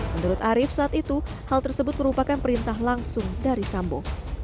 menurut arief saat itu hal tersebut merupakan perintah langsung dari sambo